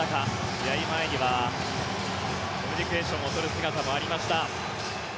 試合前にはコミュニケーションをとる姿もありました。